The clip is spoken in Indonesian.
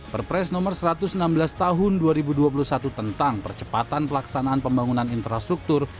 perpres nomor satu ratus enam belas tahun dua ribu dua puluh satu tentang percepatan pelaksanaan pembangunan infrastruktur